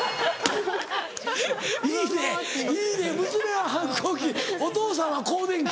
いいねいいね娘は反抗期お父さんは更年期。